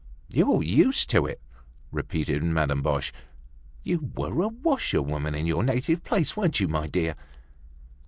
"You're used to it?" repeated Madame Boche. "You were a washerwoman in your native place, weren't you, my dear?"